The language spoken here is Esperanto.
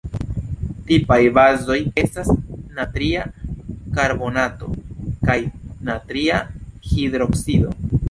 Tipaj bazoj estas natria karbonato kaj natria hidroksido.